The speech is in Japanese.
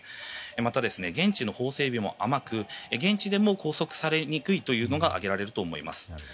また、現地の法整備も甘く現地でも拘束されにくいのが挙げられると思います。